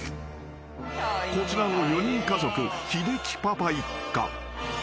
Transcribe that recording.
［こちらの４人家族ひできパパ一家］